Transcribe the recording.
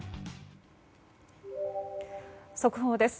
速報です。